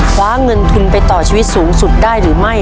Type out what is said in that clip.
คว้าเงินทุนไปต่อชีวิตสูงสุดได้หรือไม่